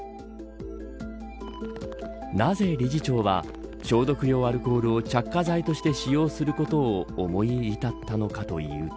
なぜ理事長は消毒用アルコールを着火剤として使用することを思い至ったのかというと。